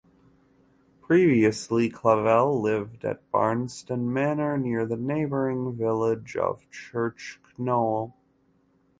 Previously Clavell lived at Barnston Manor, near the neighbouring village of Church Knowle.